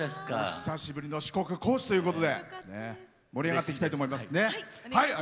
久しぶりの四国・高知ということで盛り上がっていきたいと思います。